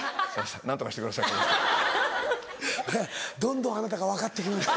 ええどんどんあなたが分かって来ました。